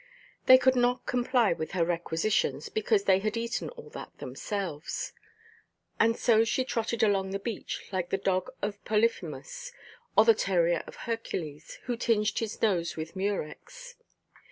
They could not comply with her requisitions, because they had eaten all that themselves. And so she trotted along the beach, like the dog of Polyphemus, or the terrier of Hercules, who tinged his nose with murex.